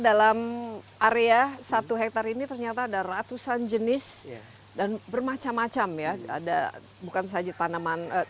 dalam area satu hektare ini ternyata ada ratusan jenis dan bermacam macam ya ada bukan saja tanaman